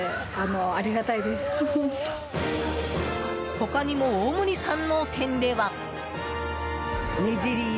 他にも大森山王店では。